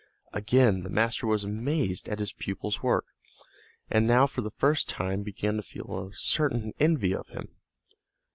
Again the master was amazed at his pupil's work, and now for the first time began to feel a certain envy of him.